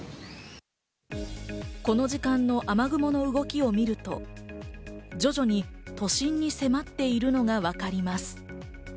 この時間の雨雲の動きを見ると、徐々に都心に迫っているのがわかります。